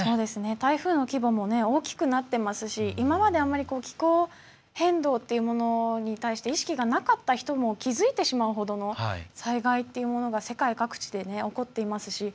台風の規模も大きくなっていますし今まであまり気候変動というものに対して意識がなかった人も気付いてしまうほどの災害っていうものが世界各地で起こっていますし。